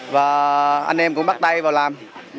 và anh em cũng bắt tay vào làm